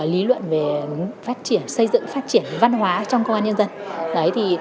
lý luận về phát triển xây dựng phát triển văn hóa trong công an nhân dân